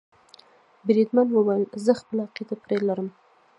بریدمن وویل زه خپله عقیده پرې لرم.